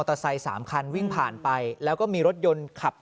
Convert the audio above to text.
ใช่ครับ